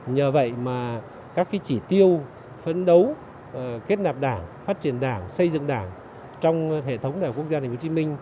nhờ vậy mà các chỉ tiêu phấn đấu kết nạp đảng phát triển đảng xây dựng đảng trong hệ thống đại học quốc gia tp hcm